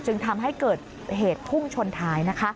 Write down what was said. จึงทำให้เกิดเหตุพุ่งชนท้ายนะคะ